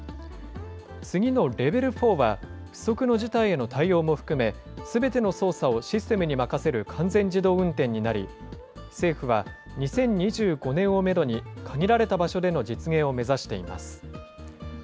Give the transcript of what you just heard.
次のレベル４は、不測の事態への対応も含め、すべての操作をシステムに任せる完全自動運転になり、政府は２０２５年をメドに限られた場所での実現を目指しています。